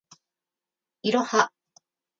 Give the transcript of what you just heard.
いろは